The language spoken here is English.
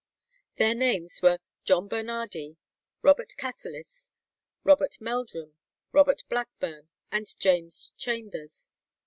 Their names were John Bernardi, Robert Cassilis, Robert Meldrum, Robert Blackburne, and James Chambers.